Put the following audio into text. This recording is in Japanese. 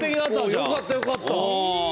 よかったよかった！